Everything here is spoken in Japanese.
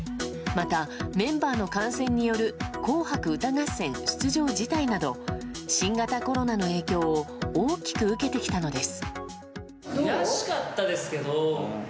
また、メンバーの感染による「紅白歌合戦」出場辞退など新型コロナの影響を大きく受けてきたのです。